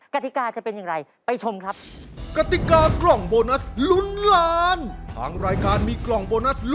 กติกาจะเป็นอย่างไรไปชมครับ